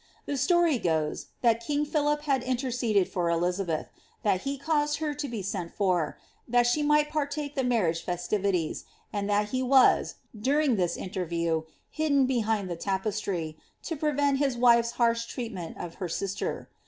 The story goes, that king Philip had interceded for Elizabeth; that he caused her to be sent for, that she might partake the marriagv festivities, and that he was, during this interview, hidden behind the tapestry, to prevent his wife^s harsh treatment of her sister.